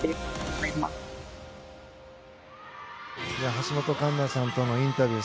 橋本環奈さんとのインタビュー。